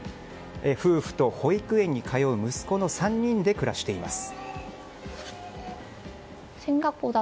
夫婦と保育園に通う息子の３人で暮らしています。